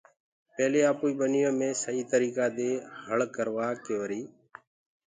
پيلي آپوئي ٻنيو مي سئي تريڪآ دي هݪ ڪروآڪي وري